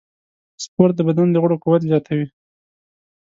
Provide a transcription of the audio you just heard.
سپورت د بدن د غړو قوت زیاتوي.